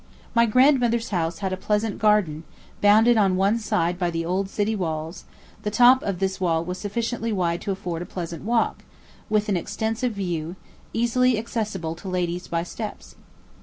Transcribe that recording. My grandmother's house had a pleasant garden, bounded on one side by the old city walls; the top of this wall was sufficiently wide to afford a pleasant walk, with an extensive view, easily accessible to ladies by steps.